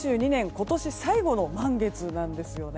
今年最後の満月なんですね。